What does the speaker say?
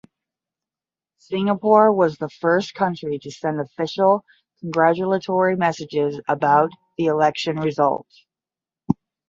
Singapore was the first country to send official congratulatory messages about the election results.